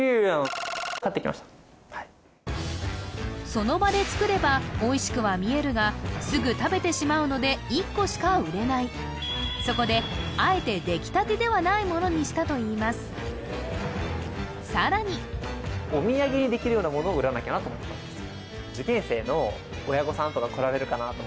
その場で作ればおいしくは見えるがすぐ食べてしまうので１個しか売れないそこであえてできたてではないものにしたといいますさらにを売らなきゃなと思ったんですよ